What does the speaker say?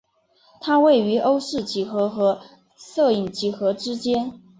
它位于欧氏几何和射影几何之间。